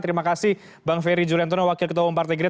terima kasih bang ferry juliantono wakil ketua umpar tegri